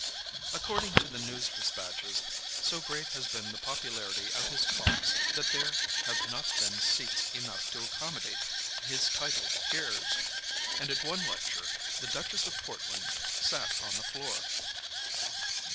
According to the news despatches, so great has been the popularity of his talks that there have not been seats enough to accommodate his titled hearers, and at one lecture the Duchess of Portland sat on the floor.